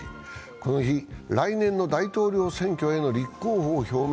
この日、来年の大統領選挙への立候補を表明。